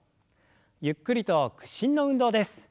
ゆっくりと屈伸の運動です。